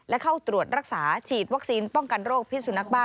และเข้าตรวจรักษาฉีดวัคซีนป้องกันโรคพิษสุนักบ้า